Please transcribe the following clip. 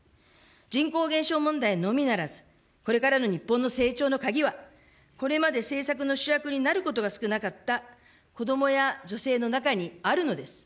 人口減少問題のみならずこれからの日本の成長の鍵は、これまで政策の主役になることが少なかった子どもや女性の中にあるのです。